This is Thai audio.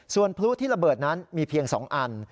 ส่วนพลุที่ระเบิดนั้นมีเพียง๒อัน